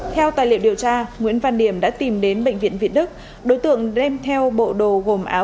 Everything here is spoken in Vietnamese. trong điều tra nguyễn văn điềm đã tìm đến bệnh viện việt đức đối tượng đem theo bộ đồ gồm áo